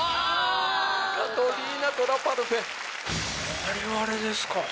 我々ですか。